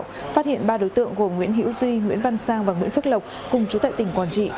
phát hiện ba đối tượng gồm nguyễn hữu duy nguyễn văn sang và nguyễn phước lộc cùng chú tại tỉnh quảng trị